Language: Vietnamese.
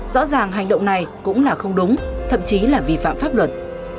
rõ ràng hành động này cũng là không đúng thậm chí là vi phạm pháp luật